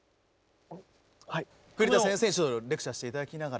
栗田先生にレクチャーしていただきながら。